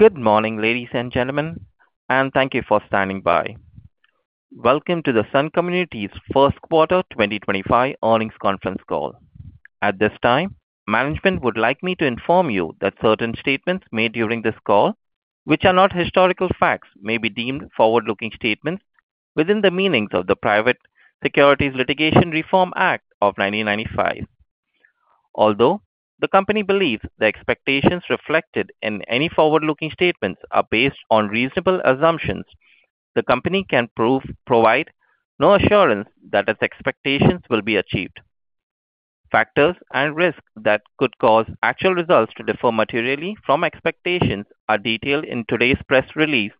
Good morning, ladies and gentlemen, and thank you for standing by. Welcome to the Sun Communities' first quarter 2025 earnings conference call. At this time, management would like me to inform you that certain statements made during this call, which are not historical facts, may be deemed forward-looking statements within the meanings of the Private Securities Litigation Reform Act of 1995. Although the company believes the expectations reflected in any forward-looking statements are based on reasonable assumptions, the company can provide no assurance that its expectations will be achieved. Factors and risks that could cause actual results to differ materially from expectations are detailed in today's press release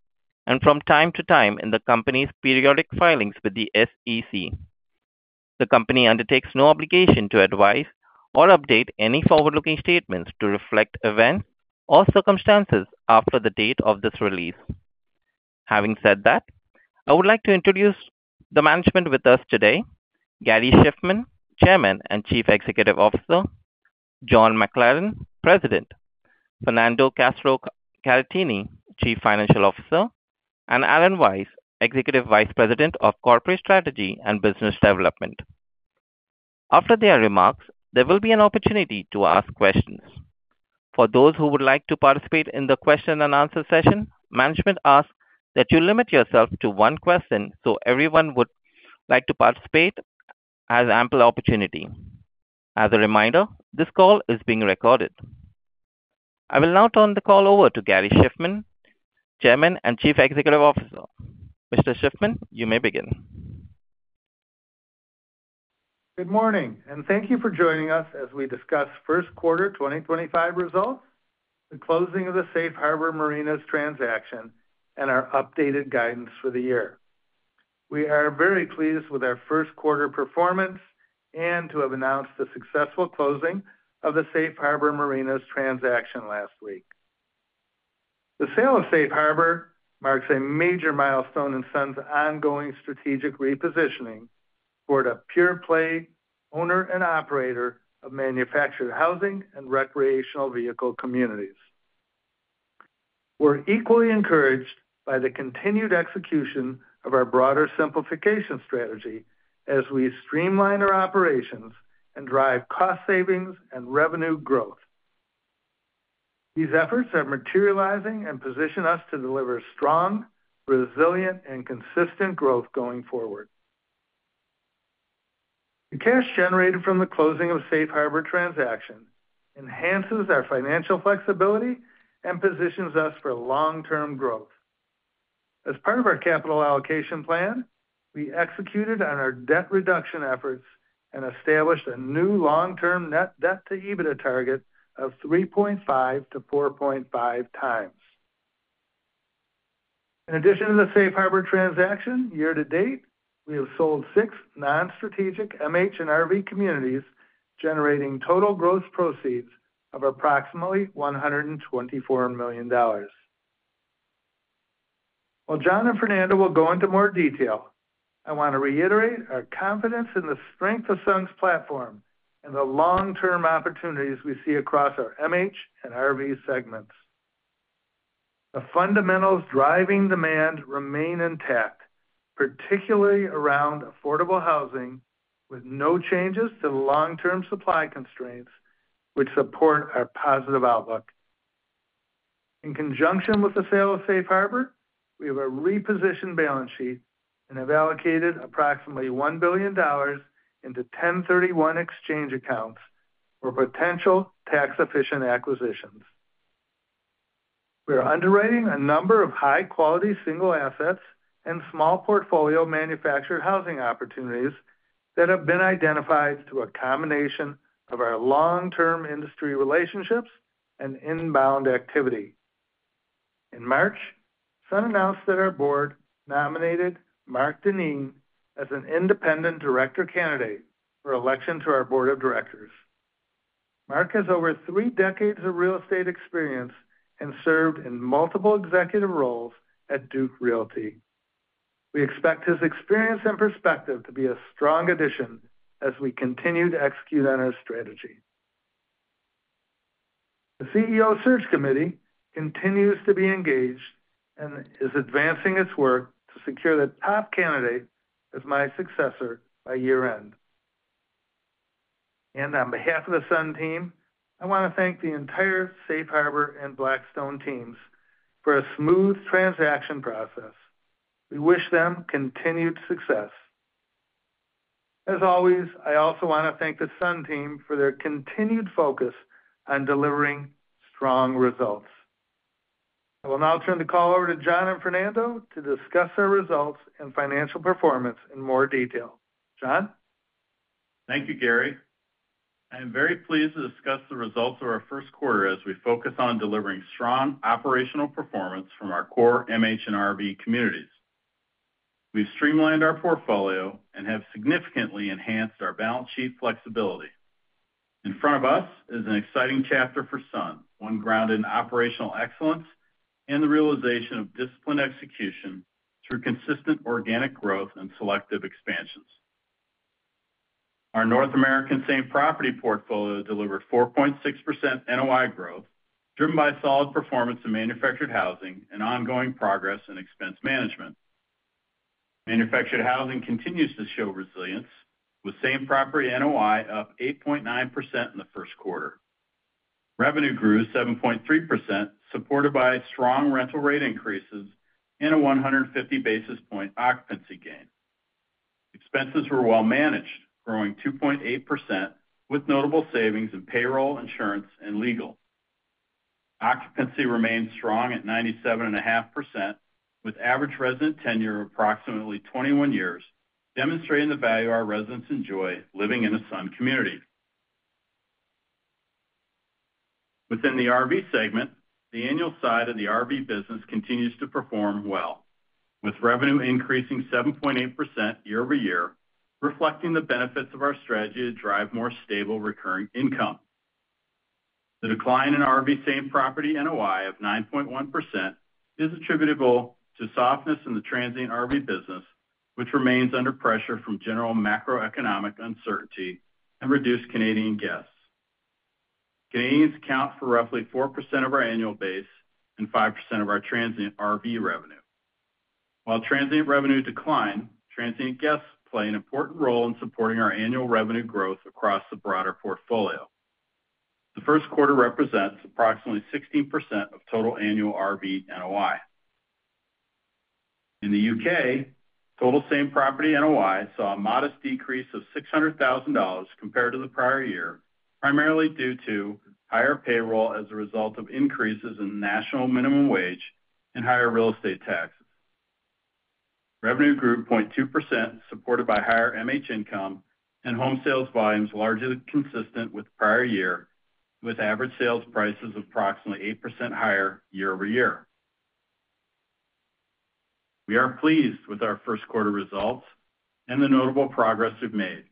and from time to time in the company's periodic filings with the SEC. The company undertakes no obligation to advise or update any forward-looking statements to reflect events or circumstances after the date of this release. Having said that, I would like to introduce the management with us today: Gary Shiffman, Chairman and Chief Executive Officer, John McLaren, President, Fernando Castro-Caratini, Chief Financial Officer, and Aaron Weiss, Executive Vice President of Corporate Strategy and Business Development. After their remarks, there will be an opportunity to ask questions. For those who would like to participate in the question-and-answer session, management asks that you limit yourself to one question so everyone who would like to participate has ample opportunity. As a reminder, this call is being recorded. I will now turn the call over to Gary Shiffman, Chairman and Chief Executive Officer. Mr. Shiffman, you may begin. Good morning, and thank you for joining us as we discuss first quarter 2025 results, the closing of the Safe Harbor Marinas transaction, and our updated guidance for the year. We are very pleased with our first quarter performance and to have announced the successful closing of the Safe Harbor Marinas transaction last week. The sale of Safe Harbor marks a major milestone in Sun's ongoing strategic repositioning toward a pure-play owner and operator of manufactured housing and recreational vehicle communities. We're equally encouraged by the continued execution of our broader simplification strategy as we streamline our operations and drive cost savings and revenue growth. These efforts are materializing and position us to deliver strong, resilient, and consistent growth going forward. The cash generated from the closing of the Safe Harbor transaction enhances our financial flexibility and positions us for long-term growth. As part of our capital allocation plan, we executed on our debt reduction efforts and established a new long-term net debt-to-EBITDA target of 3.5-4.5 times. In addition to the Safe Harbor transaction, year to date, we have sold six non-strategic MH and RV communities, generating total gross proceeds of approximately $124 million. While John and Fernando will go into more detail, I want to reiterate our confidence in the strength of Sun's platform and the long-term opportunities we see across our MH and RV segments. The fundamentals driving demand remain intact, particularly around affordable housing, with no changes to the long-term supply constraints, which support our positive outlook. In conjunction with the sale of Safe Harbor, we have a repositioned balance sheet and have allocated approximately $1 billion into 1031 exchange accounts for potential tax-efficient acquisitions. We are underwriting a number of high-quality single assets and small portfolio manufactured housing opportunities that have been identified through a combination of our long-term industry relationships and inbound activity. In March, Sun announced that our board nominated Mark Dean as an independent director candidate for election to our board of directors. Mark has over three decades of real estate experience and served in multiple executive roles at Duke Realty. We expect his experience and perspective to be a strong addition as we continue to execute on our strategy. The CEO Search Committee continues to be engaged and is advancing its work to secure the top candidate as my successor by year-end. On behalf of the Sun Team, I want to thank the entire Safe Harbor and Blackstone teams for a smooth transaction process. We wish them continued success. As always, I also want to thank the Sun Team for their continued focus on delivering strong results. I will now turn the call over to John and Fernando to discuss our results and financial performance in more detail. John? Thank you, Gary. I am very pleased to discuss the results of our first quarter as we focus on delivering strong operational performance from our core MH and RV communities. We've streamlined our portfolio and have significantly enhanced our balance sheet flexibility. In front of us is an exciting chapter for Sun, one grounded in operational excellence and the realization of disciplined execution through consistent organic growth and selective expansions. Our North American same property portfolio delivered 4.6% NOI growth, driven by solid performance in manufactured housing and ongoing progress in expense management. Manufactured housing continues to show resilience, with same property NOI up 8.9% in the first quarter. Revenue grew 7.3%, supported by strong rental rate increases and a 150 basis point occupancy gain. Expenses were well managed, growing 2.8%, with notable savings in payroll, insurance, and legal. Occupancy remained strong at 97.5%, with average resident tenure of approximately 21 years, demonstrating the value our residents enjoy living in a Sun community. Within the RV segment, the annual side of the RV business continues to perform well, with revenue increasing 7.8% year over year, reflecting the benefits of our strategy to drive more stable recurring income. The decline in RV same property NOI of 9.1% is attributable to softness in the transient RV business, which remains under pressure from general macroeconomic uncertainty and reduced Canadian guests. Canadians account for roughly 4% of our annual base and 5% of our transient RV revenue. While transient revenue declined, transient guests play an important role in supporting our annual revenue growth across the broader portfolio. The first quarter represents approximately 16% of total annual RV NOI. In the U.K., total same property NOI saw a modest decrease of $600,000 compared to the prior year, primarily due to higher payroll as a result of increases in national minimum wage and higher real estate taxes. Revenue grew 0.2%, supported by higher MH income and home sales volumes largely consistent with prior year, with average sales prices approximately 8% higher year over year. We are pleased with our first quarter results and the notable progress we've made.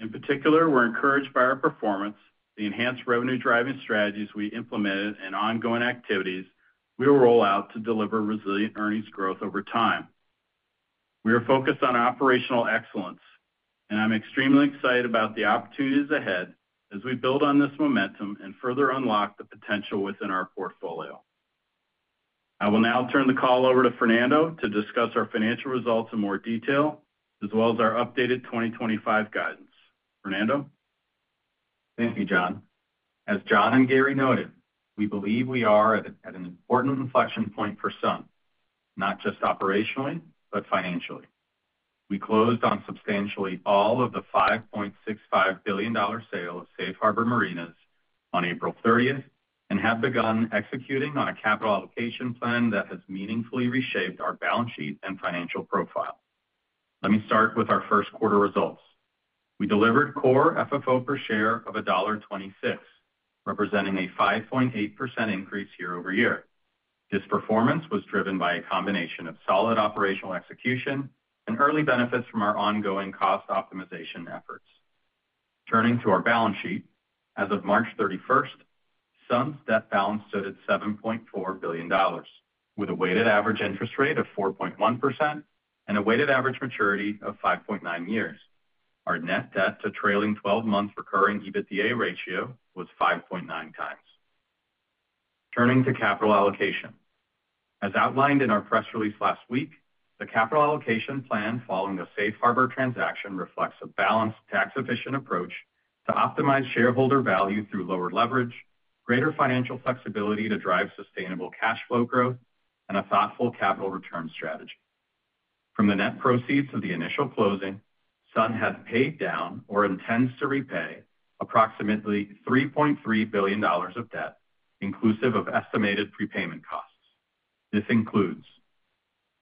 In particular, we're encouraged by our performance, the enhanced revenue-driving strategies we implemented, and ongoing activities we will roll out to deliver resilient earnings growth over time. We are focused on operational excellence, and I'm extremely excited about the opportunities ahead as we build on this momentum and further unlock the potential within our portfolio. I will now turn the call over to Fernando to discuss our financial results in more detail, as well as our updated 2025 guidance. Fernando? Thank you, John. As John and Gary noted, we believe we are at an important inflection point for Sun, not just operationally, but financially. We closed on substantially all of the $5.65 billion sale of Safe Harbor Marinas on April 30th and have begun executing on a capital allocation plan that has meaningfully reshaped our balance sheet and financial profile. Let me start with our first quarter results. We delivered core FFO per share of $1.26, representing a 5.8% increase year over year. This performance was driven by a combination of solid operational execution and early benefits from our ongoing cost optimization efforts. Turning to our balance sheet, as of March 31st, Sun's debt balance stood at $7.4 billion, with a weighted average interest rate of 4.1% and a weighted average maturity of 5.9 years. Our net debt to trailing 12-month recurring EBITDA ratio was 5.9 times. Turning to capital allocation, as outlined in our press release last week, the capital allocation plan following the Safe Harbor transaction reflects a balanced tax-efficient approach to optimize shareholder value through lower leverage, greater financial flexibility to drive sustainable cash flow growth, and a thoughtful capital return strategy. From the net proceeds of the initial closing, Sun has paid down or intends to repay approximately $3.3 billion of debt, inclusive of estimated prepayment costs. This includes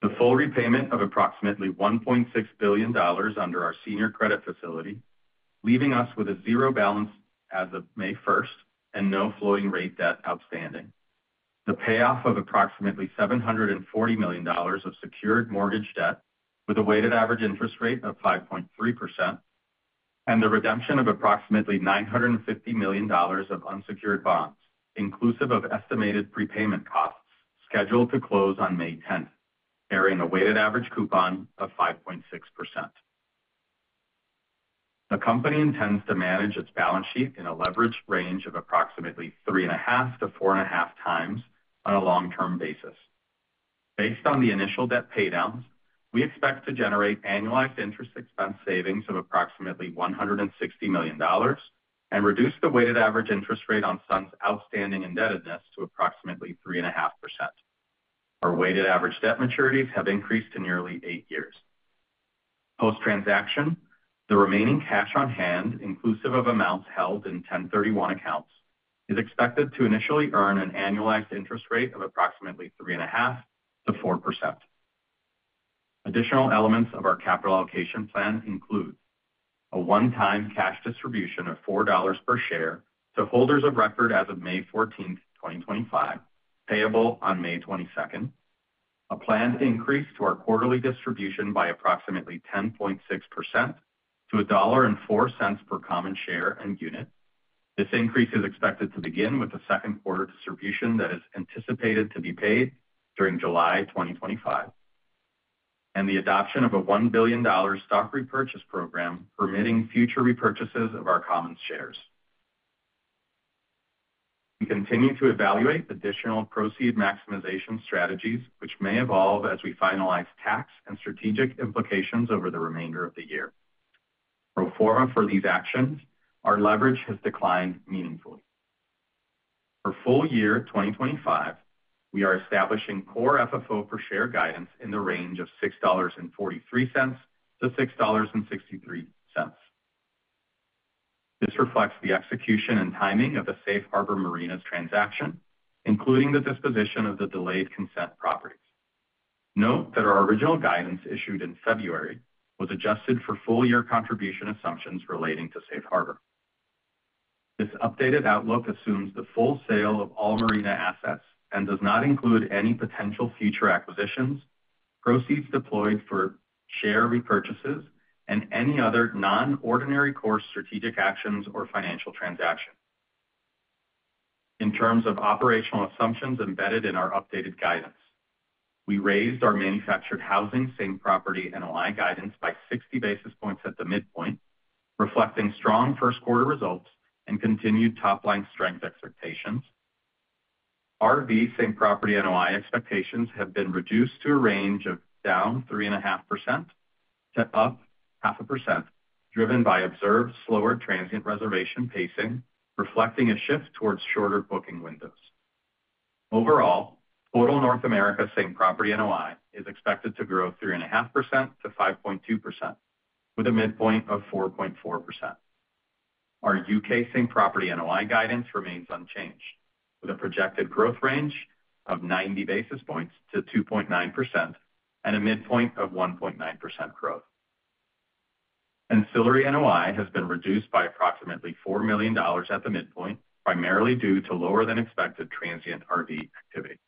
the full repayment of approximately $1.6 billion under our senior credit facility, leaving us with a zero balance as of May 1st and no floating rate debt outstanding, the payoff of approximately $740 million of secured mortgage debt with a weighted average interest rate of 5.3%, and the redemption of approximately $950 million of unsecured bonds, inclusive of estimated prepayment costs scheduled to close on May 10th, carrying a weighted average coupon of 5.6%. The company intends to manage its balance sheet in a leveraged range of approximately 3.5-4.5 times on a long-term basis. Based on the initial debt paydowns, we expect to generate annualized interest expense savings of approximately $160 million and reduce the weighted average interest rate on Sun's outstanding indebtedness to approximately 3.5%. Our weighted average debt maturities have increased in nearly eight years. Post-transaction, the remaining cash on hand, inclusive of amounts held in 1031 accounts, is expected to initially earn an annualized interest rate of approximately 3.5-4%. Additional elements of our capital allocation plan include a one-time cash distribution of $4 per share to holders of record as of May 14th, 2025, payable on May 22nd, a planned increase to our quarterly distribution by approximately 10.6% to $1.04 per common share and unit. This increase is expected to begin with the second quarter distribution that is anticipated to be paid during July 2025, and the adoption of a $1 billion stock repurchase program permitting future repurchases of our common shares. We continue to evaluate additional proceed maximization strategies, which may evolve as we finalize tax and strategic implications over the remainder of the year. For these actions, our leverage has declined meaningfully. For full year 2025, we are establishing core FFO per share guidance in the range of $6.43-$6.63. This reflects the execution and timing of the Safe Harbor Marinas transaction, including the disposition of the delayed consent properties. Note that our original guidance issued in February was adjusted for full-year contribution assumptions relating to Safe Harbor. This updated outlook assumes the full sale of all marina assets and does not include any potential future acquisitions, proceeds deployed for share repurchases, and any other non-ordinary core strategic actions or financial transactions. In terms of operational assumptions embedded in our updated guidance, we raised our manufactured housing same property NOI guidance by 60 basis points at the midpoint, reflecting strong first quarter results and continued top-line strength expectations. RV same property NOI expectations have been reduced to a range of down 3.5% to up 0.5%, driven by observed slower transient reservation pacing, reflecting a shift towards shorter booking windows. Overall, total North America same property NOI is expected to grow 3.5%-5.2%, with a midpoint of 4.4%. Our U.K. same property NOI guidance remains unchanged, with a projected growth range of 90 basis points to 2.9% and a midpoint of 1.9% growth. Ancillary NOI has been reduced by approximately $4 million at the midpoint, primarily due to lower-than-expected transient RV activity.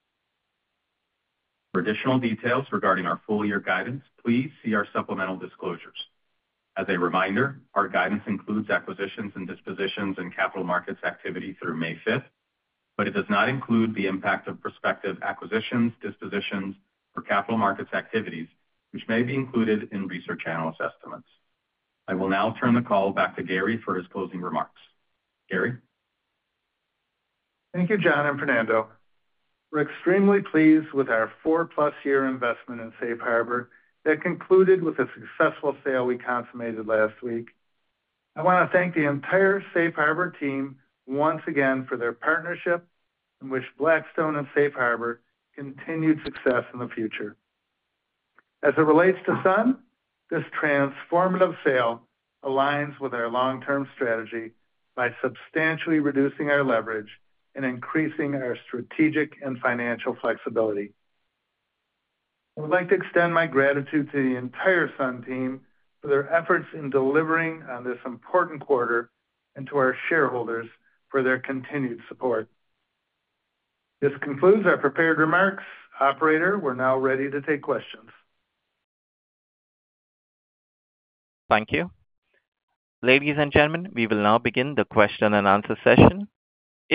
For additional details regarding our full-year guidance, please see our supplemental disclosures. As a reminder, our guidance includes acquisitions and dispositions and capital markets activity through May 5th, but it does not include the impact of prospective acquisitions, dispositions, or capital markets activities, which may be included in research analyst estimates. I will now turn the call back to Gary for his closing remarks. Gary? Thank you, John and Fernando. We're extremely pleased with our four-plus year investment in Safe Harbor that concluded with a successful sale we consummated last week. I want to thank the entire Safe Harbor team once again for their partnership and wish Blackstone and Safe Harbor continued success in the future. As it relates to Sun, this transformative sale aligns with our long-term strategy by substantially reducing our leverage and increasing our strategic and financial flexibility. I would like to extend my gratitude to the entire Sun Team for their efforts in delivering on this important quarter and to our shareholders for their continued support. This concludes our prepared remarks. Operator, we're now ready to take questions. Thank you. Ladies and gentlemen, we will now begin the question and answer session.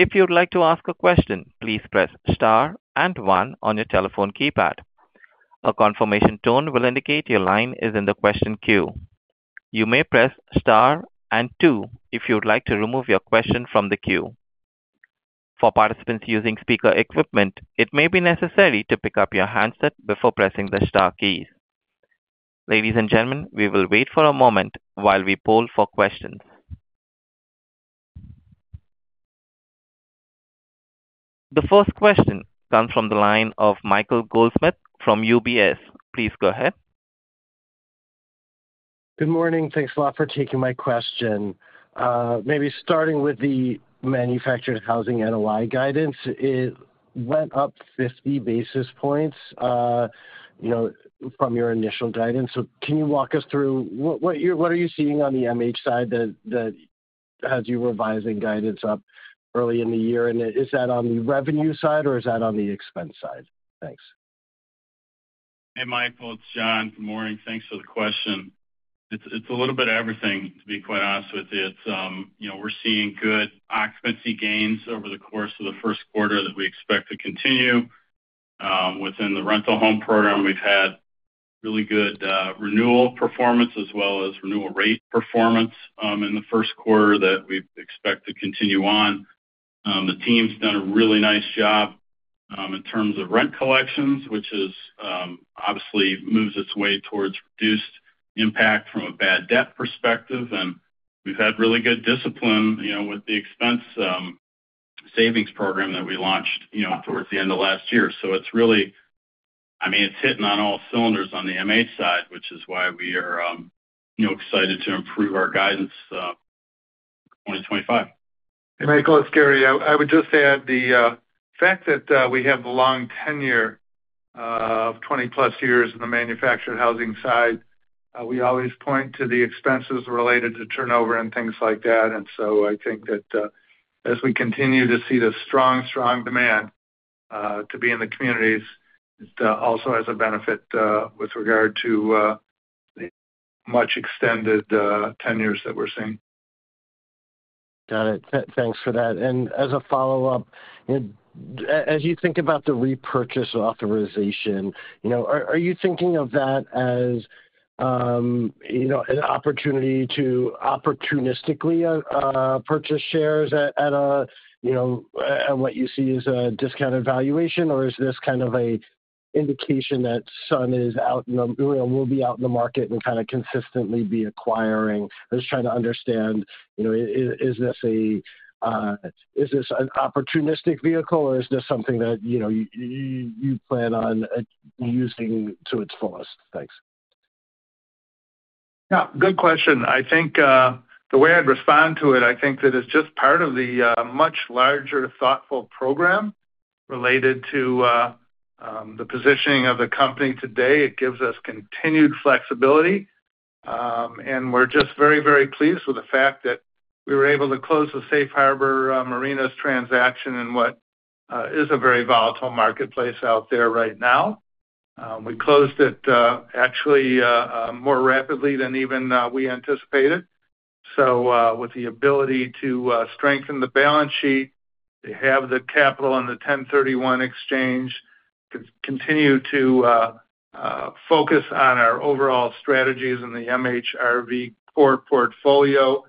If you'd like to ask a question, please press star and one on your telephone keypad. A confirmation tone will indicate your line is in the question queue. You may press star and two if you'd like to remove your question from the queue. For participants using speaker equipment, it may be necessary to pick up your handset before pressing the star keys. Ladies and gentlemen, we will wait for a moment while we poll for questions. The first question comes from the line of Michael Goldsmith from UBS. Please go ahead. Good morning. Thanks a lot for taking my question. Maybe starting with the manufactured housing NOI guidance, it went up 50 basis points from your initial guidance. Can you walk us through what are you seeing on the MH side that has you revising guidance up early in the year? Is that on the revenue side or is that on the expense side? Thanks. Hey, Michael. It's John. Good morning. Thanks for the question. It's a little bit of everything, to be quite honest with you. We're seeing good occupancy gains over the course of the first quarter that we expect to continue. Within the rental home program, we've had really good renewal performance as well as renewal rate performance in the first quarter that we expect to continue on. The team's done a really nice job in terms of rent collections, which obviously moves its way towards reduced impact from a bad debt perspective. We've had really good discipline with the expense savings program that we launched towards the end of last year. It's really, I mean, it's hitting on all cylinders on the MH side, which is why we are excited to improve our guidance for 2025. Hey, Michael. It's Gary. I would just add the fact that we have the long tenure of 20-plus years in the manufactured housing side. We always point to the expenses related to turnover and things like that. I think that as we continue to see the strong, strong demand to be in the communities, it also has a benefit with regard to the much extended tenures that we're seeing. Got it. Thanks for that. As a follow-up, as you think about the repurchase authorization, are you thinking of that as an opportunity to opportunistically purchase shares at what you see as a discounted valuation, or is this kind of an indication that Sun will be out in the market and kind of consistently be acquiring? I'm just trying to understand, is this an opportunistic vehicle, or is this something that you plan on using to its fullest? Thanks. Yeah. Good question. I think the way I'd respond to it, I think that it's just part of the much larger, thoughtful program related to the positioning of the company today. It gives us continued flexibility. We're just very, very pleased with the fact that we were able to close the Safe Harbor Marinas transaction in what is a very volatile marketplace out there right now. We closed it actually more rapidly than even we anticipated. With the ability to strengthen the balance sheet, to have the capital on the 1031 exchange, continue to focus on our overall strategies in the MHRV core portfolio,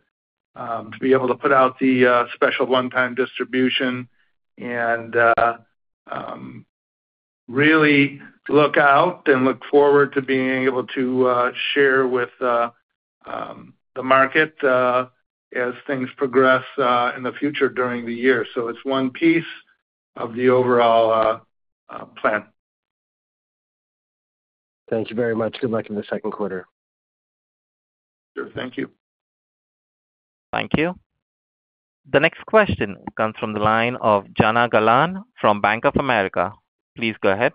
to be able to put out the special one-time distribution, and really look out and look forward to being able to share with the market as things progress in the future during the year. It's one piece of the overall plan. Thank you very much. Good luck in the second quarter. Sure. Thank you. Thank you. The next question comes from the line of Jana Galan from Bank of America. Please go ahead.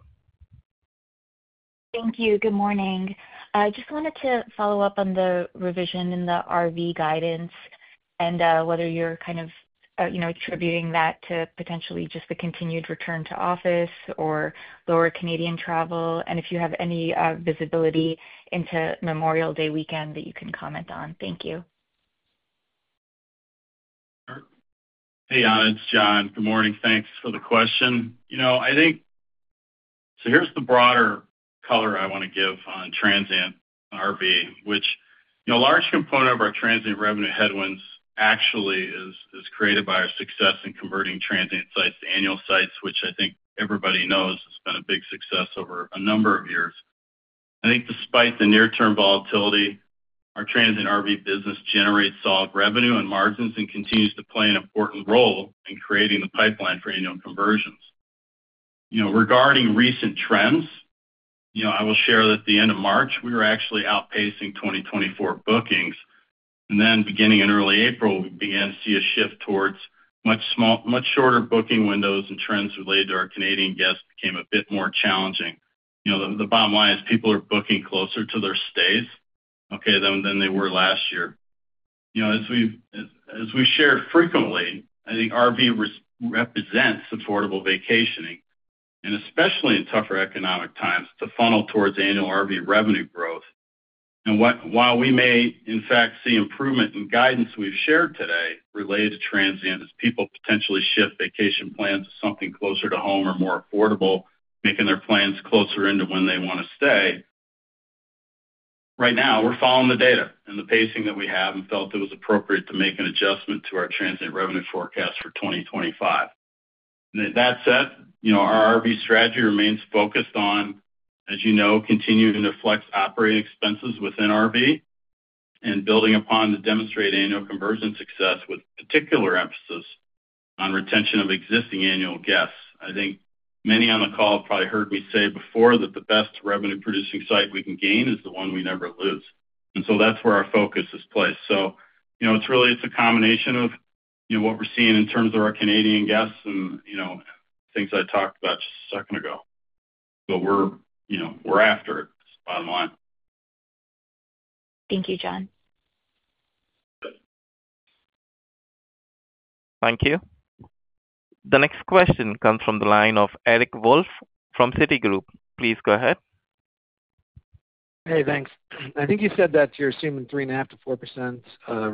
Thank you. Good morning. I just wanted to follow up on the revision in the RV guidance and whether you're kind of attributing that to potentially just the continued return to office or lower Canadian travel, and if you have any visibility into Memorial Day weekend that you can comment on. Thank you. Hey, John. It's John. Good morning. Thanks for the question. I think so here's the broader color I want to give on transient RV, which a large component of our transient revenue headwinds actually is created by our success in converting transient sites to annual sites, which I think everybody knows has been a big success over a number of years. I think despite the near-term volatility, our transient RV business generates solid revenue and margins and continues to play an important role in creating the pipeline for annual conversions. Regarding recent trends, I will share that at the end of March, we were actually outpacing 2024 bookings. Then beginning in early April, we began to see a shift towards much shorter booking windows and trends related to our Canadian guests became a bit more challenging. The bottom line is people are booking closer to their stays, okay, than they were last year. As we've shared frequently, I think RV represents affordable vacationing, and especially in tougher economic times, to funnel towards annual RV revenue growth. While we may, in fact, see improvement in guidance we've shared today related to transient as people potentially shift vacation plans to something closer to home or more affordable, making their plans closer into when they want to stay, right now, we're following the data and the pacing that we have and felt it was appropriate to make an adjustment to our transient revenue forecast for 2025. That said, our RV strategy remains focused on, as you know, continuing to flex operating expenses within RV and building upon the demonstrated annual conversion success with particular emphasis on retention of existing annual guests. I think many on the call have probably heard me say before that the best revenue-producing site we can gain is the one we never lose. That is where our focus is placed. It is really a combination of what we are seeing in terms of our Canadian guests and things I talked about just a second ago. We are after it. It is bottom line. Thank you, John. Thank you. The next question comes from the line of Eric Wolfe from Citigroup. Please go ahead. Hey, thanks. I think you said that you're assuming 3.5-4%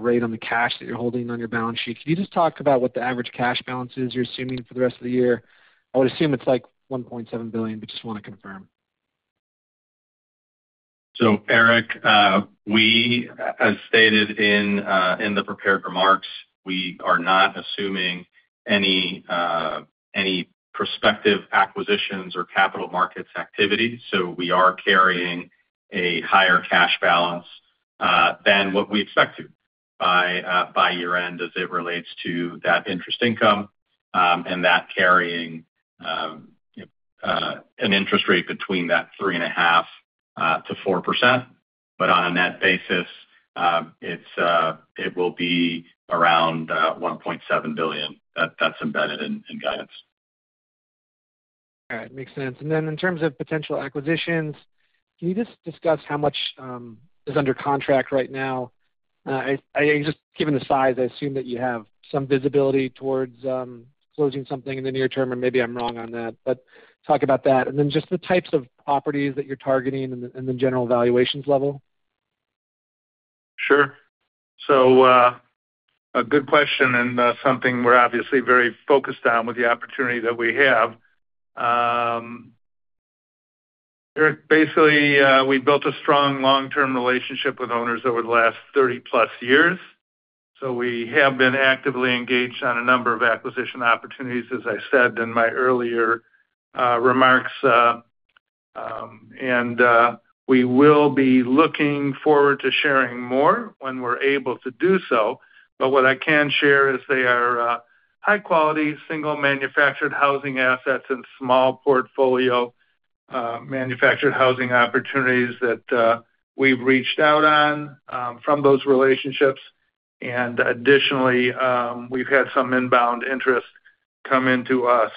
rate on the cash that you're holding on your balance sheet. Can you just talk about what the average cash balance is you're assuming for the rest of the year? I would assume it's like $1.7 billion, but just want to confirm. Eric, we, as stated in the prepared remarks, we are not assuming any prospective acquisitions or capital markets activity. We are carrying a higher cash balance than what we expect to by year-end as it relates to that interest income and that carrying an interest rate between that 3.5%-4%. On a net basis, it will be around $1.7 billion. That is embedded in guidance. Okay. Makes sense. In terms of potential acquisitions, can you just discuss how much is under contract right now? Just given the size, I assume that you have some visibility towards closing something in the near term, or maybe I'm wrong on that, but talk about that. Just the types of properties that you're targeting and the general valuations level. Sure. A good question and something we're obviously very focused on with the opportunity that we have. Basically, we built a strong long-term relationship with owners over the last 30-plus years. We have been actively engaged on a number of acquisition opportunities, as I said in my earlier remarks. We will be looking forward to sharing more when we're able to do so. What I can share is they are high-quality single-manufactured housing assets and small portfolio manufactured housing opportunities that we've reached out on from those relationships. Additionally, we've had some inbound interest come into us.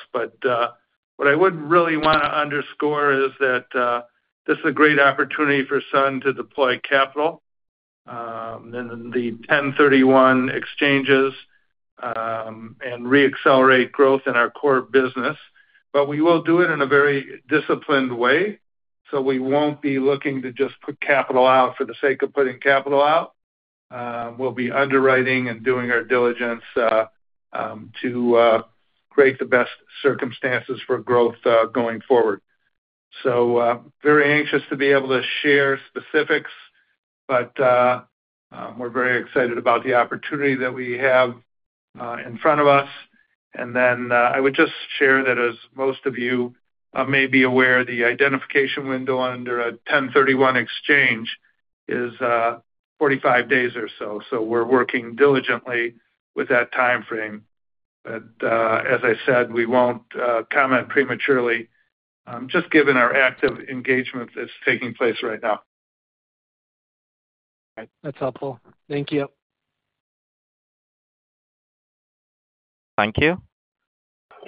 What I would really want to underscore is that this is a great opportunity for Sun to deploy capital in the 1031 exchanges and re-accelerate growth in our core business. We will do it in a very disciplined way. We won't be looking to just put capital out for the sake of putting capital out. We'll be underwriting and doing our diligence to create the best circumstances for growth going forward. I am very anxious to be able to share specifics, but we're very excited about the opportunity that we have in front of us. I would just share that as most of you may be aware, the identification window under a 1031 exchange is a 45 days or so. We're working diligently with that timeframe. As I said, we won't comment prematurely, just given our active engagement that's taking place right now. That's helpful. Thank you. Thank you.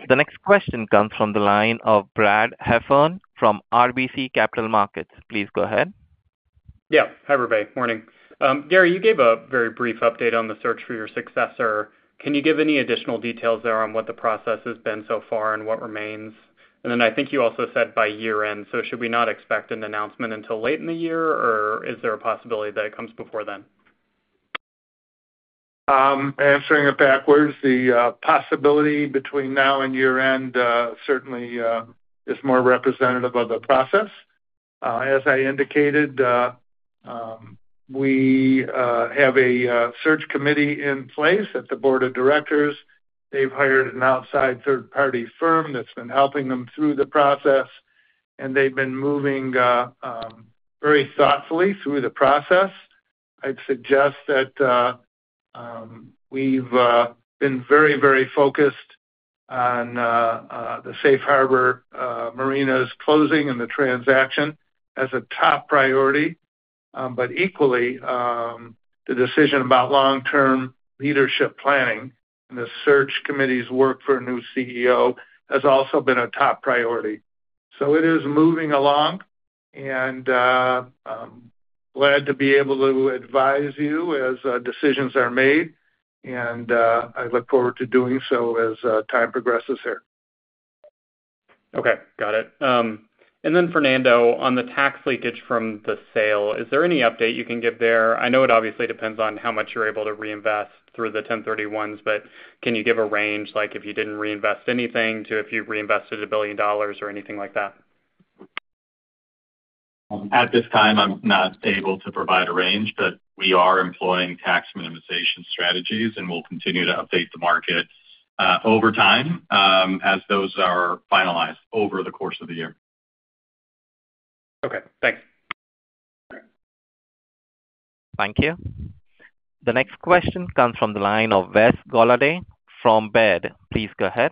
The next question comes from the line of Brad Heffern from RBC Capital Markets. Please go ahead. Yeah. Hi, everybody. Morning. Gary, you gave a very brief update on the search for your successor. Can you give any additional details there on what the process has been so far and what remains? I think you also said by year-end. Should we not expect an announcement until late in the year, or is there a possibility that it comes before then? Answering it backwards, the possibility between now and year-end certainly is more representative of the process. As I indicated, we have a search committee in place at the board of directors. They've hired an outside third-party firm that's been helping them through the process, and they've been moving very thoughtfully through the process. I’d suggest that we’ve been very, very focused on the Safe Harbor Marinas closing and the transaction as a top priority. Equally, the decision about long-term leadership planning and the search committee's work for a new CEO has also been a top priority. It is moving along, and I'm glad to be able to advise you as decisions are made. I look forward to doing so as time progresses here. Okay. Got it. Fernando, on the tax leakage from the sale, is there any update you can give there? I know it obviously depends on how much you're able to reinvest through the 1031s, but can you give a range, like if you didn't reinvest anything to if you reinvested a billion dollars or anything like that? At this time, I'm not able to provide a range, but we are employing tax minimization strategies, and we'll continue to update the market over time as those are finalized over the course of the year. Okay. Thanks. Thank you. The next question comes from the line of Wes Golladay from Baird. Please go ahead.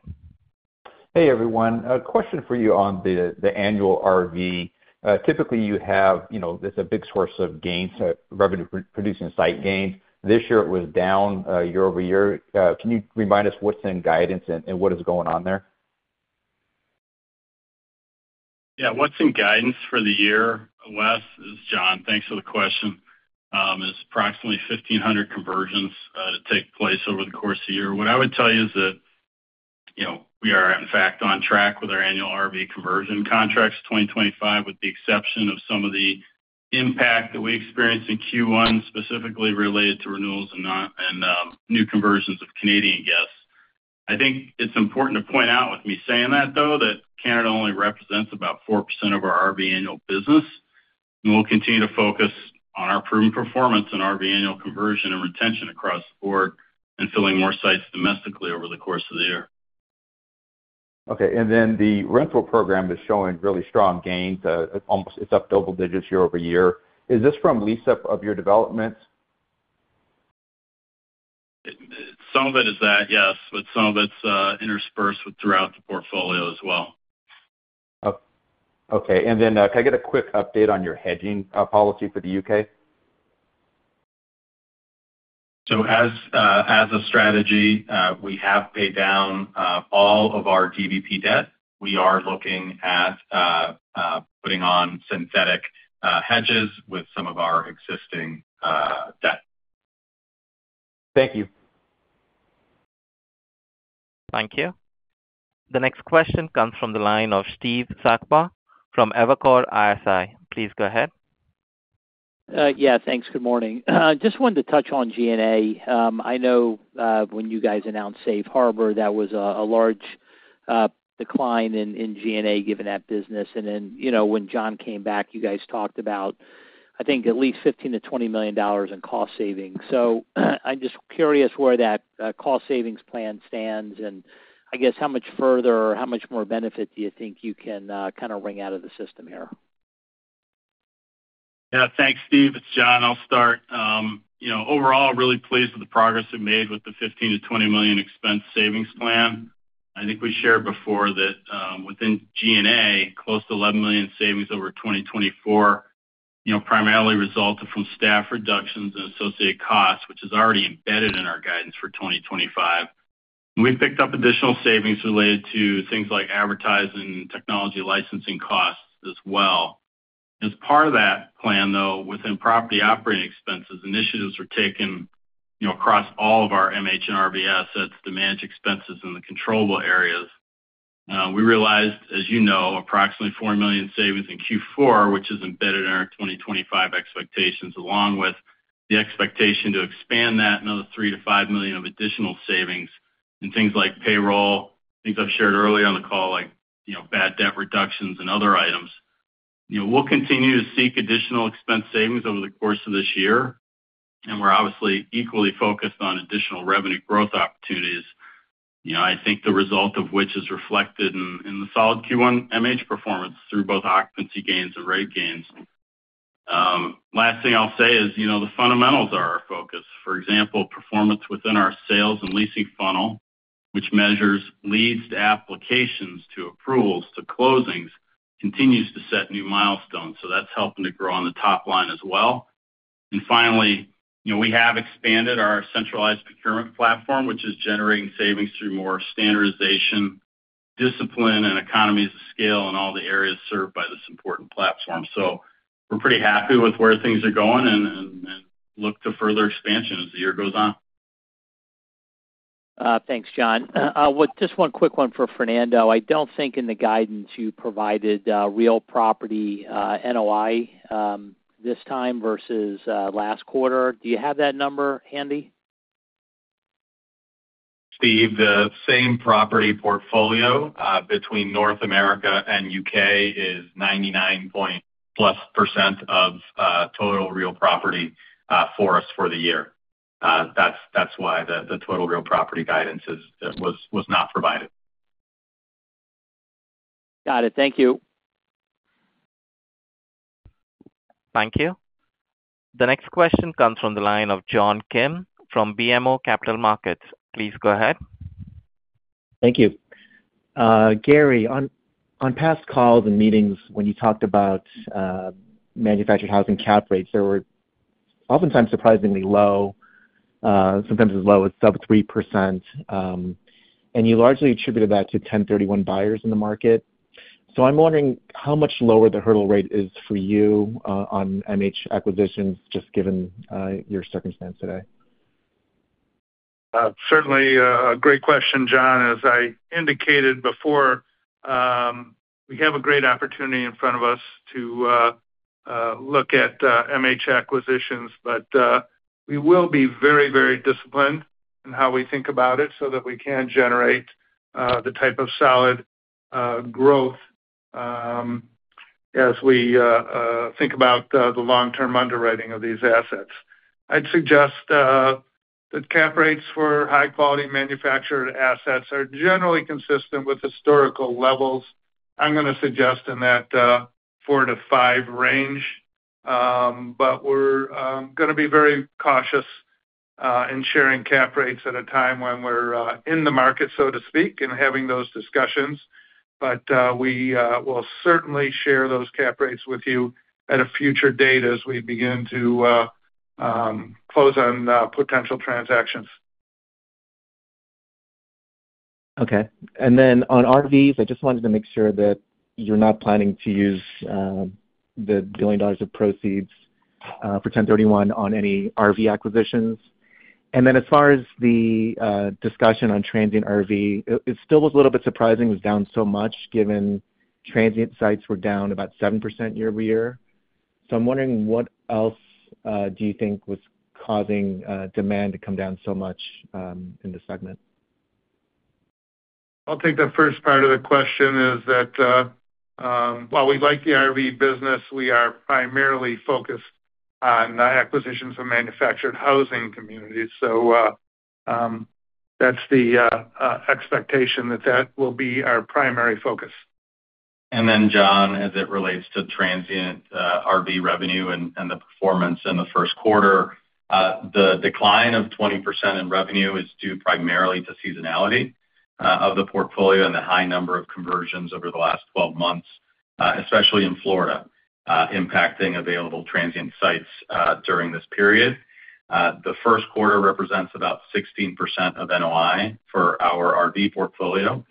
Hey, everyone. A question for you on the annual RV. Typically, you have it's a big source of gains, revenue-producing site gains. This year, it was down year over year. Can you remind us what's in guidance and what is going on there? Yeah. What's in guidance for the year, Wes, is John. Thanks for the question. It's approximately 1,500 conversions that take place over the course of the year. What I would tell you is that we are, in fact, on track with our annual RV conversion contracts 2025, with the exception of some of the impact that we experienced in Q1, specifically related to renewals and new conversions of Canadian guests. I think it's important to point out with me saying that, though, that Canada only represents about 4% of our RV annual business. We will continue to focus on our proven performance in RV annual conversion and retention across the board and filling more sites domestically over the course of the year. Okay. The rental program is showing really strong gains. It's up double digits year over year. Is this from lease-up of your developments? Some of it is that, yes, but some of it's interspersed throughout the portfolio as well. Okay. Can I get a quick update on your hedging policy for the U.K.? As a strategy, we have paid down all of our DVP debt. We are looking at putting on synthetic hedges with some of our existing debt. Thank you. Thank you. The next question comes from the line of Steve Sakwa from Evercore ISI. Please go ahead. Yeah. Thanks. Good morning. Just wanted to touch on G&A. I know when you guys announced Safe Harbor, that was a large decline in G&A given that business. When John came back, you guys talked about, I think, at least $15 million-$20 million in cost savings. I am just curious where that cost savings plan stands and, I guess, how much further or how much more benefit do you think you can kind of wring out of the system here? Yeah. Thanks, Steve. It's John. I'll start. Overall, really pleased with the progress we've made with the $15 million-$20 million expense savings plan. I think we shared before that within G&A, close to $11 million savings over 2024 primarily resulted from staff reductions and associated costs, which is already embedded in our guidance for 2025. We picked up additional savings related to things like advertising and technology licensing costs as well. As part of that plan, though, within property operating expenses, initiatives were taken across all of our MH and RV assets to manage expenses in the controllable areas. We realized, as you know, approximately $4 million savings in Q4, which is embedded in our 2025 expectations, along with the expectation to expand that another $3 million-$5 million of additional savings in things like payroll, things I've shared earlier on the call, like bad debt reductions and other items. We'll continue to seek additional expense savings over the course of this year. We're obviously equally focused on additional revenue growth opportunities, I think the result of which is reflected in the solid Q1 MH performance through both occupancy gains and rate gains. Last thing I'll say is the fundamentals are our focus. For example, performance within our sales and leasing funnel, which measures leads to applications to approvals to closings, continues to set new milestones. That's helping to grow on the top line as well. We have expanded our centralized procurement platform, which is generating savings through more standardization, discipline, and economies of scale in all the areas served by this important platform. We are pretty happy with where things are going and look to further expansion as the year goes on. Thanks, John. Just one quick one for Fernando. I don't think in the guidance you provided real property NOI this time versus last quarter. Do you have that number handy? Steve, the same property portfolio between North America and the U.K. is 99.+% of total real property for us for the year. That's why the total real property guidance was not provided. Got it. Thank you. Thank you. The next question comes from the line of John Kim from BMO Capital Markets. Please go ahead. Thank you. Gary, on past calls and meetings, when you talked about manufactured housing cap rates, they were oftentimes surprisingly low, sometimes as low as sub 3%. And you largely attributed that to 1031 buyers in the market. So I'm wondering how much lower the hurdle rate is for you on MH acquisitions, just given your circumstance today. Certainly a great question, John. As I indicated before, we have a great opportunity in front of us to look at MH acquisitions, but we will be very, very disciplined in how we think about it so that we can generate the type of solid growth as we think about the long-term underwriting of these assets. I'd suggest that cap rates for high-quality manufactured assets are generally consistent with historical levels. I'm going to suggest in that 4-5 range. We are going to be very cautious in sharing cap rates at a time when we are in the market, so to speak, and having those discussions. We will certainly share those cap rates with you at a future date as we begin to close on potential transactions. Okay. On RVs, I just wanted to make sure that you're not planning to use the $1 billion of proceeds for 1031 on any RV acquisitions. As far as the discussion on transient RV, it still was a little bit surprising it was down so much given transient sites were down about 7% year over year. I'm wondering what else do you think was causing demand to come down so much in the segment? I'll take the first part of the question is that while we like the RV business, we are primarily focused on acquisitions for manufactured housing communities. That is the expectation that that will be our primary focus. John, as it relates to transient RV revenue and the performance in the first quarter, the decline of 20% in revenue is due primarily to seasonality of the portfolio and the high number of conversions over the last 12 months, especially in Florida, impacting available transient sites during this period. The first quarter represents about 16% of NOI for our RV portfolio.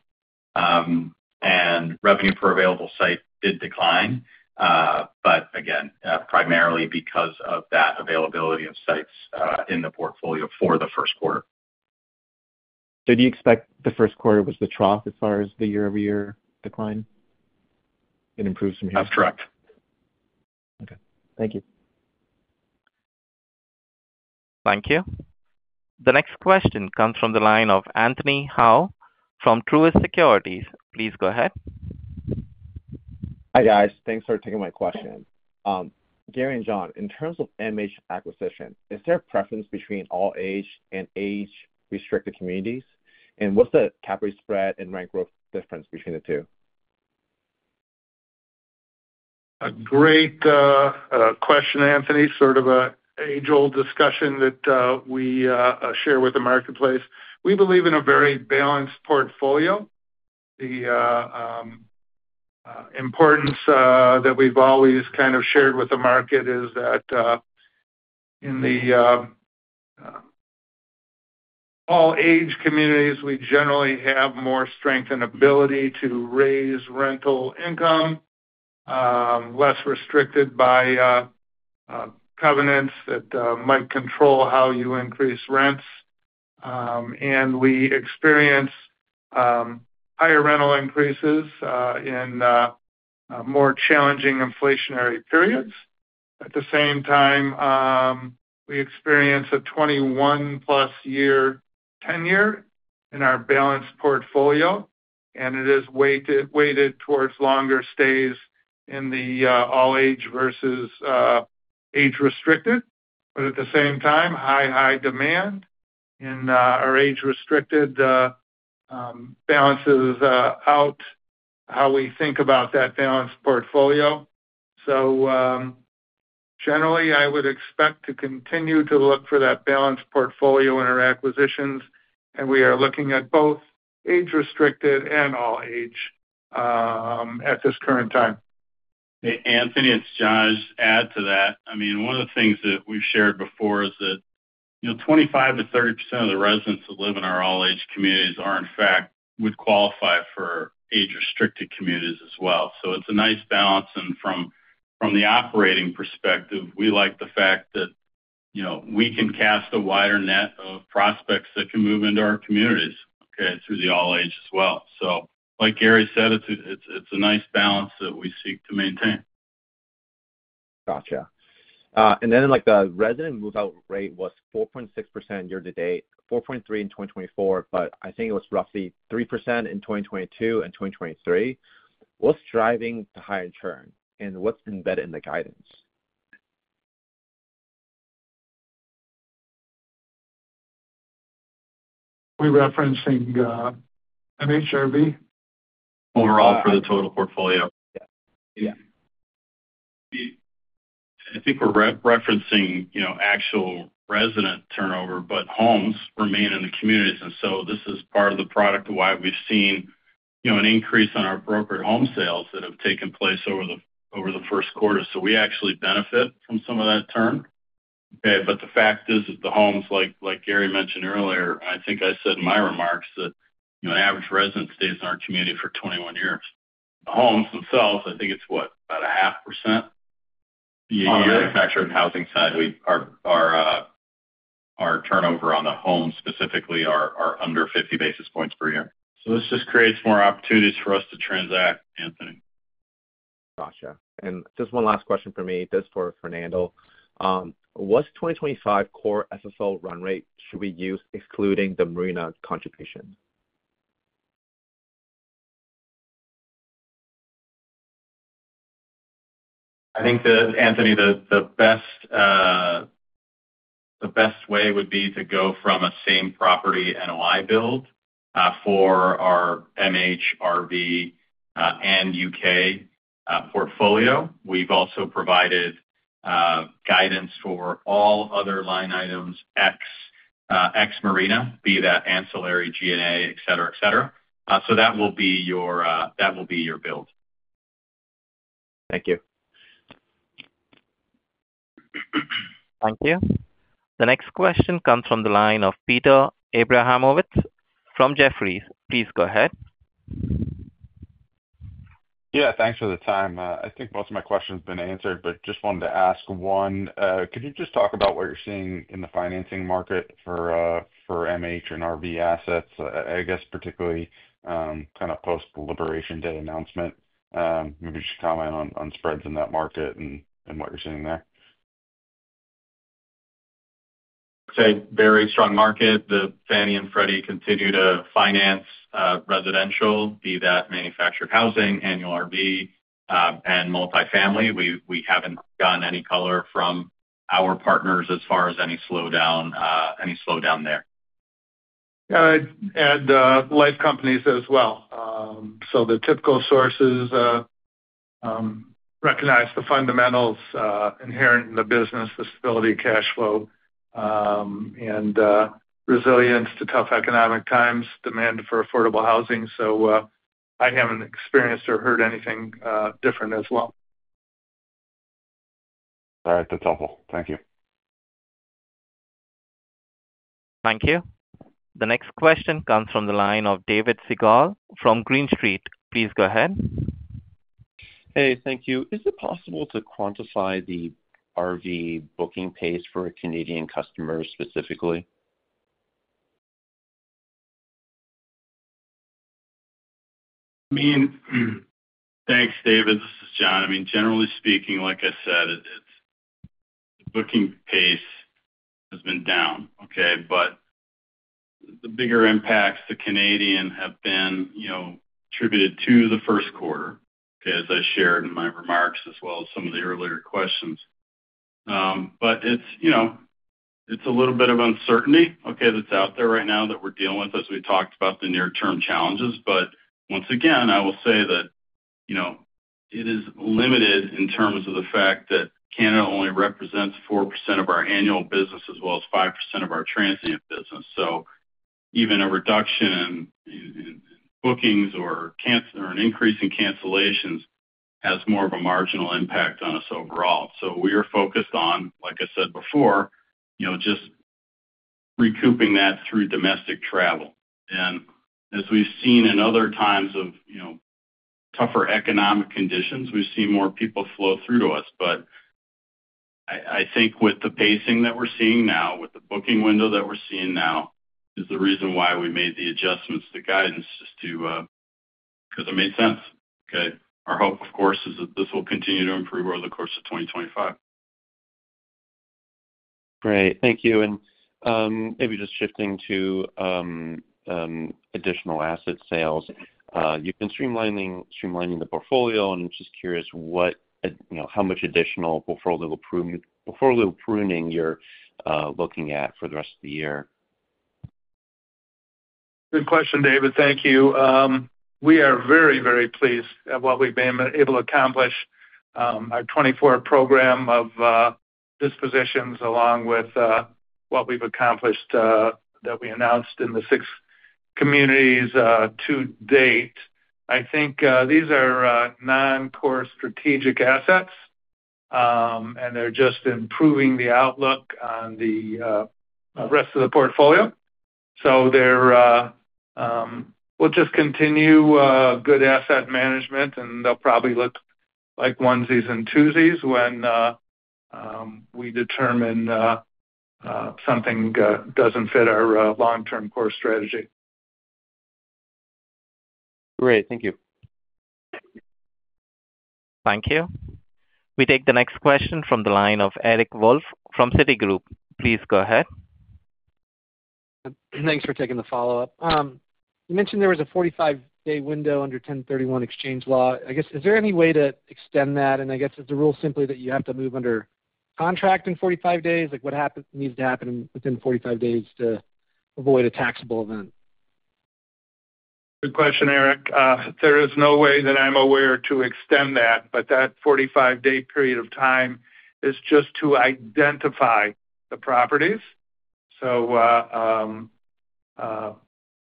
Revenue per available site did decline, but again, primarily because of that availability of sites in the portfolio for the first quarter. Do you expect the first quarter was the trough as far as the year-over-year decline and improves from here? That's correct. Okay. Thank you. Thank you. The next question comes from the line of Anthony Howell from Truist Securities. Please go ahead. Hi, guys. Thanks for taking my question. Gary and John, in terms of MH acquisition, is there a preference between all-age and age-restricted communities? What's the cap rate spread and rent growth difference between the two? A great question, Anthony. Sort of an age-old discussion that we share with the marketplace. We believe in a very balanced portfolio. The importance that we've always kind of shared with the market is that in the all-age communities, we generally have more strength and ability to raise rental income, less restricted by covenants that might control how you increase rents. We experience higher rental increases in more challenging inflationary periods. At the same time, we experience a 21-plus year tenure in our balanced portfolio, and it is weighted towards longer stays in the all-age versus age-restricted. At the same time, high, high demand in our age-restricted balances out how we think about that balanced portfolio. Generally, I would expect to continue to look for that balanced portfolio in our acquisitions. We are looking at both age-restricted and all-age at this current time. Anthony, it's John. Just add to that. I mean, one of the things that we've shared before is that 25-30% of the residents that live in our all-age communities are, in fact, would qualify for age-restricted communities as well. It is a nice balance. From the operating perspective, we like the fact that we can cast a wider net of prospects that can move into our communities, okay, through the all-age as well. Like Gary said, it is a nice balance that we seek to maintain. Gotcha. And then the resident move-out rate was 4.6% year to date, 4.3% in 2024, but I think it was roughly 3% in 2022 and 2023. What's driving the high return? And what's embedded in the guidance? Are we referencing MHRV? Overall for the total portfolio. Yeah. I think we're referencing actual resident turnover, but homes remain in the communities. This is part of the product of why we've seen an increase in our brokered home sales that have taken place over the first quarter. We actually benefit from some of that turn. The fact is that the homes, like Gary mentioned earlier, I think I said in my remarks that an average resident stays in our community for 21 years. The homes themselves, I think it's what, about a half percent? On the manufactured housing side, our turnover on the homes specifically are under 50 basis points per year. This just creates more opportunities for us to transact, Anthony. Gotcha. Just one last question for me, just for Fernando. What's 2025 core SSO run rate should we use, excluding the Marina contribution? I think, Anthony, the best way would be to go from a same property NOI build for our MH, RV, and U.K. portfolio. We've also provided guidance for all other line items, X Marina, be that ancillary, G&A, etc., etc. That will be your build. Thank you. Thank you. The next question comes from the line of Peter Abramowitz from Jefferies. Please go ahead. Yeah. Thanks for the time. I think most of my questions have been answered, but just wanted to ask one. Could you just talk about what you're seeing in the financing market for MH and RV assets, I guess, particularly kind of post-Liberation Day announcement? Maybe just comment on spreads in that market and what you're seeing there. It's a very strong market. The Fannie and Freddie continue to finance residential, be that manufactured housing, annual RV, and multifamily. We haven't gotten any color from our partners as far as any slowdown there. I'd add life companies as well. The typical sources recognize the fundamentals inherent in the business: the stability, cash flow, and resilience to tough economic times, demand for affordable housing. I haven't experienced or heard anything different as well. All right. That's helpful. Thank you. Thank you. The next question comes from the line of David Segall from Green Street. Please go ahead. Hey, thank you. Is it possible to quantify the RV booking pace for Canadian customers specifically? I mean, thanks, David. This is John. I mean, generally speaking, like I said, the booking pace has been down, okay? The bigger impacts to Canadian have been attributed to the first quarter, okay, as I shared in my remarks as well as some of the earlier questions. It is a little bit of uncertainty, okay, that's out there right now that we're dealing with as we talked about the near-term challenges. Once again, I will say that it is limited in terms of the fact that Canada only represents 4% of our annual business as well as 5% of our transient business. Even a reduction in bookings or an increase in cancellations has more of a marginal impact on us overall. We are focused on, like I said before, just recouping that through domestic travel. As we've seen in other times of tougher economic conditions, we've seen more people flow through to us. I think with the pacing that we're seeing now, with the booking window that we're seeing now, the reason why we made the adjustments to guidance is because it made sense, okay? Our hope, of course, is that this will continue to improve over the course of 2025. Great. Thank you. Maybe just shifting to additional asset sales, you've been streamlining the portfolio, and I'm just curious how much additional portfolio pruning you're looking at for the rest of the year. Good question, David. Thank you. We are very, very pleased at what we've been able to accomplish, our 2024 program of dispositions along with what we've accomplished that we announced in the six communities to date. I think these are non-core strategic assets, and they're just improving the outlook on the rest of the portfolio. We will just continue good asset management, and they'll probably look like onesies and twosies when we determine something doesn't fit our long-term core strategy. Great. Thank you. Thank you. We take the next question from the line of Eric Wolfe from Citigroup. Please go ahead. Thanks for taking the follow-up. You mentioned there was a 45-day window under 1031 exchange law. I guess, is there any way to extend that? I guess is the rule simply that you have to move under contract in 45 days? What needs to happen within 45 days to avoid a taxable event? Good question, Eric. There is no way that I'm aware to extend that, but that 45-day period of time is just to identify the properties. That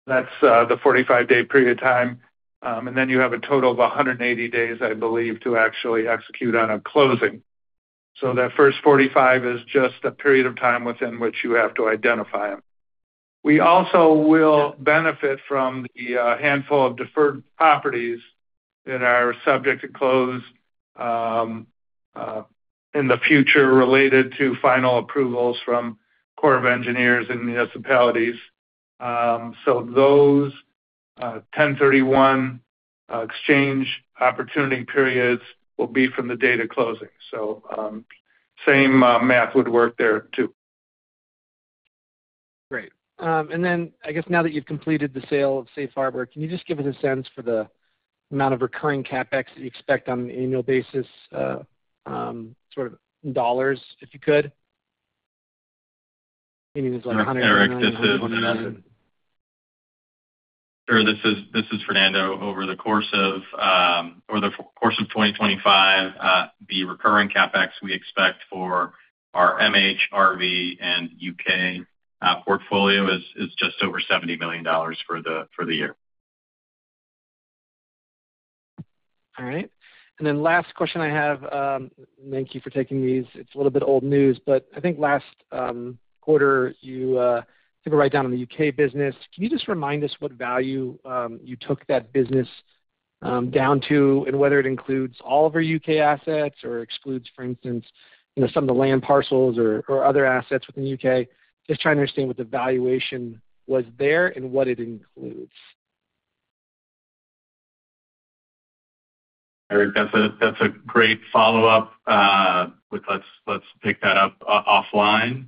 is the 45-day period of time. You have a total of 180 days, I believe, to actually execute on a closing. That first 45 is just a period of time within which you have to identify them. We also will benefit from the handful of deferred properties that are subject to close in the future related to final approvals from Corps of Engineers and municipalities. Those 1031 exchange opportunity periods will be from the date of closing. Same math would work there too. Great. I guess now that you've completed the sale of Safe Harbor, can you just give us a sense for the amount of recurring CapEx that you expect on an annual basis, sort of dollars, if you could? Meaning there's like $100 million. This is Fernando. Over the course of 2025, the recurring CapEx we expect for our MH, RV, and U.K. portfolio is just over $70 million for the year. All right. Last question I have, thank you for taking these. It's a little bit old news, but I think last quarter you took a write-down on the U.K. business. Can you just remind us what value you took that business down to and whether it includes all of your U.K. assets or excludes, for instance, some of the land parcels or other assets within the U.K.? Just trying to understand what the valuation was there and what it includes. Eric, that's a great follow-up. Let's pick that up offline.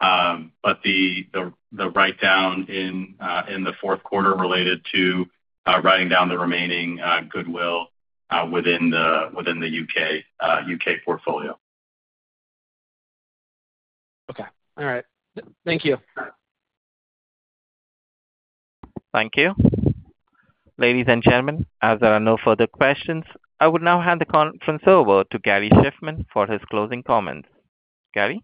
The write-down in the fourth quarter related to writing down the remaining goodwill within the U.K. portfolio. Okay. All right. Thank you. Thank you. Ladies and gentlemen, as there are no further questions, I would now hand the conference over to Gary Shiffman for his closing comments. Gary?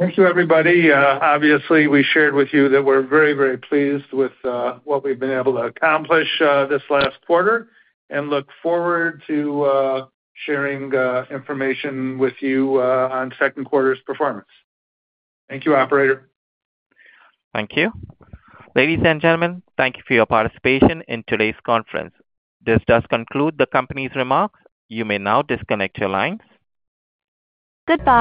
Thank you, everybody. Obviously, we shared with you that we're very, very pleased with what we've been able to accomplish this last quarter and look forward to sharing information with you on second quarter's performance. Thank you, operator. Thank you. Ladies and gentlemen, thank you for your participation in today's conference. This does conclude the company's remarks. You may now disconnect your lines. Goodbye.